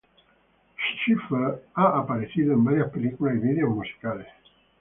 Schiffer ha aparecido en varias películas y videos musicales.